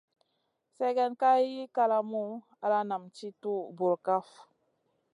Sègèn ka hiy kalamou ala nam tì tuhu bur kaf.